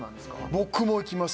僕も行きます